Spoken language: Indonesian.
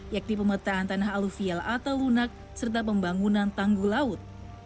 yakni pemetaan tanah aluvial atau lunak serta pembangunan tanggul laut